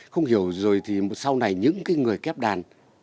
không hiểu rồi thì một sau này những cái người kép đàn